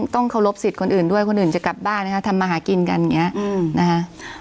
ต้องเคารพสิทธิ์คนอื่นด้วยคนอื่นจะกลับบ้านนะคะทำมาหากินกันอย่างนี้นะคะ